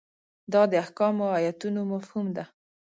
دا د احکامو ایتونو مفهوم ده.